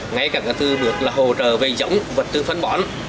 ngay cả cái thứ bước là hỗ trợ về dỗng vật tư phân bón